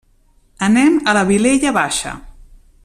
Anem a la Vilella Baixa.